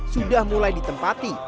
sudah mulai ditempati